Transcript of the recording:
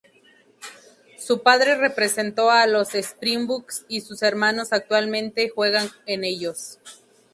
Su padre representó a los Springboks y sus hermanos actualmente juegan en ellos.